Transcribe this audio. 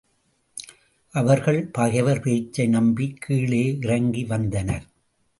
அவர்கள் பகைவர் பேச்சை நம்பி கீழே இறங்கி வந்தனர்.